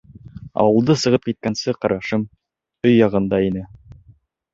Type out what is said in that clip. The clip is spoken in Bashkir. Ауылды сығып киткәнсе, ҡарашым өй яғында ине...